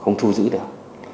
không thu giữ được